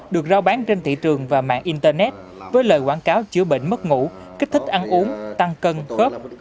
được giao bán trên thị trường và mạng internet với lời quảng cáo chữa bệnh mất ngủ kích thích ăn uống tăng cân khớp